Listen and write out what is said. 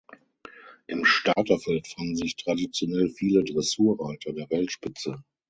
Im Starterfeld fanden sich traditionell viele Dressurreiter der Weltspitze.